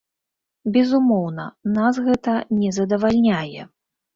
Безумоўна, нас гэта не задавальняе.